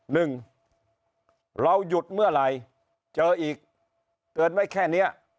หนึ่งเราหยุดเมื่อไหร่เจออีกเกินไว้แค่นี้